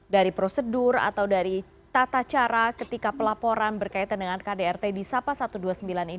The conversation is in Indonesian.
dari prosedur atau dari tata cara ketika pelaporan berkaitan dengan kdrt di sapa satu ratus dua puluh sembilan ini